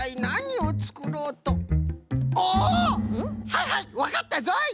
はいはいわかったぞい！